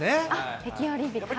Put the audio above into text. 北京オリンピック、はい。